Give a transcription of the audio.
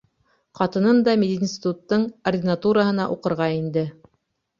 Ҡатыным да мединституттың ординатураһына уҡырға инде.